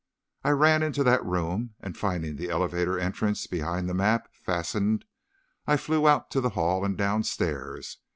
"I ran into that room, and finding the elevator entrance, behind the map, fastened, I flew out to the hall and downstairs.